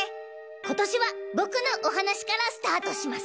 今年は僕のお話からスタートします。